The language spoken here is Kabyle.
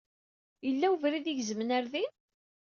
Yella webrid igezmen ɣer din?